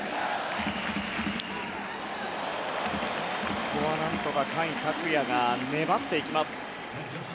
ここは何とか甲斐拓也が粘っていきます。